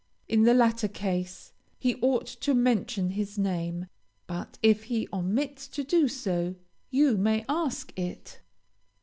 In the latter case he ought to mention his name, but if he omits to do so, you may ask it.